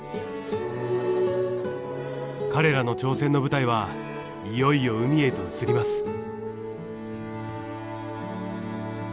彼らの挑戦の舞台はいよいよ海へと移ります。